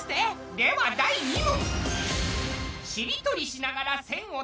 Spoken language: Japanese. では第２問！